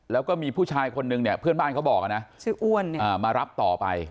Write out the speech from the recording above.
แล้วก็มีผู้ชายคนนึงเนี่ยเพื่อนบ้านเขาบอกนะชื่ออ้วนมารับต่อไป